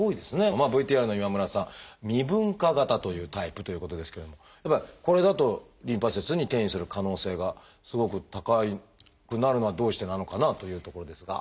まあＶＴＲの今村さん「未分化型」というタイプということですけれどもこれだとリンパ節に転移する可能性がすごく高くなるのはどうしてなのかなというところですが。